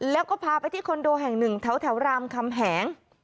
แล้วก็พาไปที่คอนโดแห่งหนึ่งแถวรามคำแหง